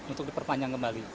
untuk diperpanjang kembali